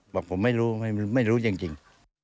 บอกผมไม่รู้ไม่รู้จริง